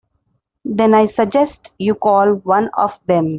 Then I suggest you call one of them.